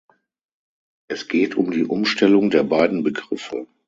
Es geht um die Umstellung der beiden Begriffe.